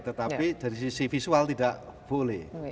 tetapi dari sisi visual tidak boleh